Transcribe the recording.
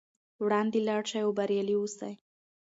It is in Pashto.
وړاندې لاړ شئ او بریالي اوسئ.